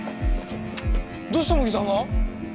どうして茂木さんが？